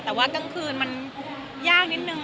แต่ว่ากลางคืนมันยากนิดนึง